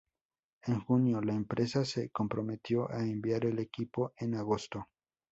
En junio, la empresa se comprometió a enviar el equipo en agosto.